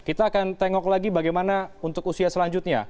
kita akan tengok lagi bagaimana untuk usia selanjutnya